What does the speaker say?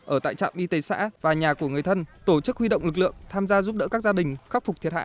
ở tại trạm y tế xã và nhà của người thân tổ chức huy động lực lượng tham gia giúp đỡ các gia đình khắc phục thiệt hại